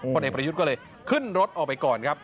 ผลเอกประยุทธ์ก็เลยขึ้นรถออกไปก่อนครับ